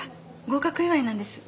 合格祝いなんです。